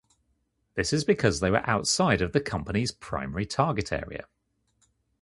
This is because they were outside of the company's primary target area.